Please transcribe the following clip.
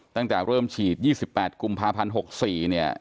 ตั้งแต่เริ่มฉีด๒๘กุมภาพันธ์๖๔เนี่ย